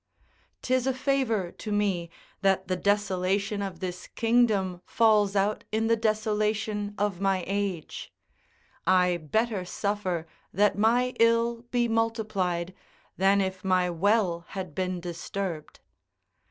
'T is a favour to me, that the desolation of this kingdom falls out in the desolation of my age: I better suffer that my ill be multiplied, than if my well had been disturbed.